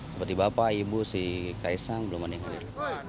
seperti bapak ibu si kaisang belum ada yang hadir